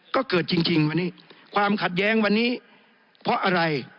ก็เกิดจริงวันนี้ความขัดแย้งวันนี้เพราะอะไร